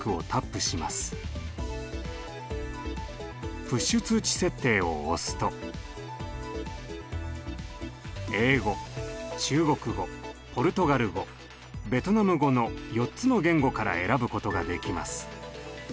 プッシュ通知設定を押すと英語中国語ポルトガル語ベトナム語の４つの言語から選ぶことができます。